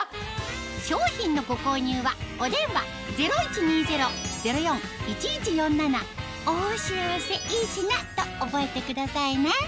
商品のご購入はお電話０１２０−０４−１１４７と覚えてくださいね